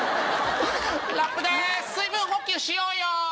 ラップで水分補給しようよ